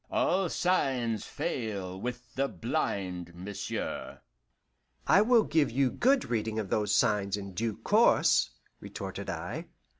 "All signs fail with the blind, monsieur." "I will give you good reading of those signs in due course," retorted I.